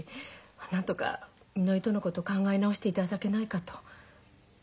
なんとかみのりとのこと考え直していただけないかと。